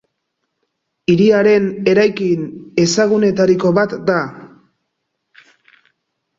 Hiriaren eraikin ezagunetariko bat da.